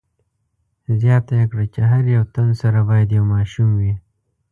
زیاته یې کړه چې هر یو تن سره باید یو ماشوم وي.